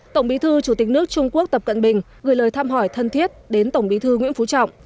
tổng bí thư chủ tịch nước trung quốc tập cận bình gửi lời thăm hỏi thân thiết đến tổng bí thư nguyễn phú trọng